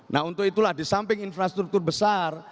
nah untuk itulah di samping infrastruktur besar